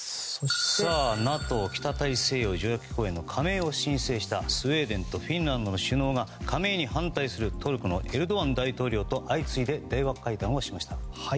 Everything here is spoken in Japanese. ＮＡＴＯ・北大西洋条約機構への加盟を申請したスウェーデンとフィンランドの首脳が加盟に反対するトルコのエルドアン大統領と相次いで電話会談しました。